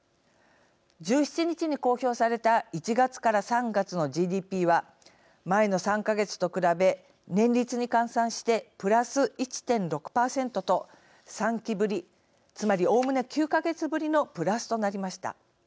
１７日に公表された１月から３月のＧＤＰは前の３か月と比べ年率に換算してプラス１．６％と３期ぶりつまりおおむね９か月ぶりのプラスとなりました。